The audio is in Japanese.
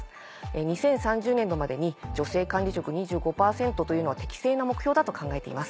２０３０年度までに女性管理職２５％というのは適正な目標だと考えています。